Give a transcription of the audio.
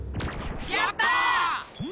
やった！